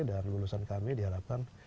dan lulusan kami diharapkan